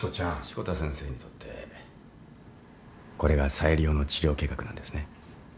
志子田先生にとってこれが最良の治療計画なんですね？